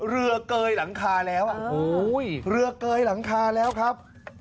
เกยหลังคาแล้วเรือเกยหลังคาแล้วครับ